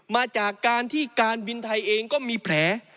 มาจากการที่การบินไทยเองก็มีแผล